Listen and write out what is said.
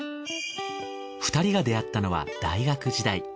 ２人が出会ったのは大学時代。